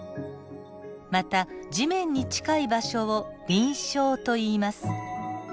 また地面に近い場所を林床といいます。